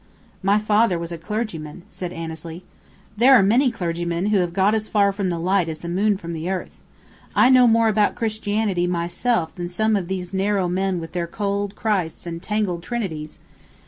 "My father was a clergyman," said Annesley. "There are many clergymen who have got as far from the light as the moon from the earth. I know more about Christianity myself than some of those narrow men with their 'cold Christs and tangled Trinities'!